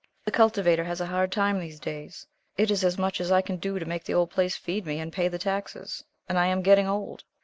The cultivator has a hard time these days. It is as much as I can do to make the old place feed me and pay the taxes, and I am getting old.